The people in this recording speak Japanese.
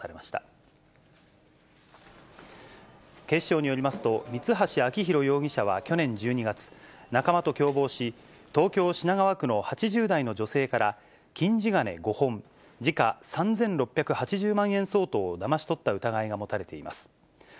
警視庁によりますと、三橋あきひろ容疑者は去年１２月、仲間と共謀し、東京・品川区の８０代の女性から、金地金５本、時価３６８０万円相当をだまし取った疑いが持たれています。